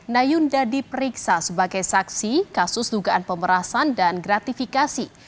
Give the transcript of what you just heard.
nayunda diperiksa sebagai saksi kasus dugaan pemerasan dan gratifikasi